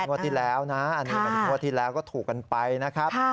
งวดที่แล้วนะอันนี้เป็นงวดที่แล้วก็ถูกกันไปนะครับ